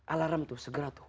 alarm tuh segera tuh